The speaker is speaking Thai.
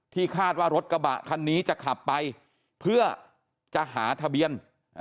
คาดว่ารถกระบะคันนี้จะขับไปเพื่อจะหาทะเบียน